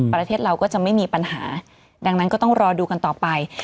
ประเทศเราก็จะไม่มีปัญหาดังนั้นก็ต้องรอดูกันต่อไป